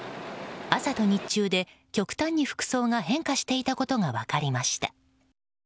朝と日中で極端に服装が変化していたことが分かりました。